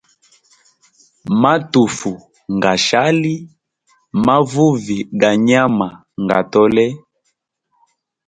Matufu ngashali, mavuvi ga nyama nga tole.